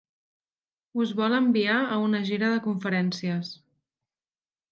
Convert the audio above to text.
Us vol enviar a una gira de conferències.